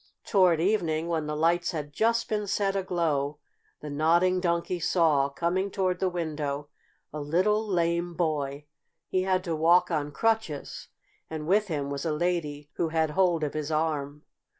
Toward evening, when the lights had just been set aglow, the Nodding Donkey saw, coming toward the window, a little lame boy. He had to walk on crutches, and with him was a lady who had hold of his arm.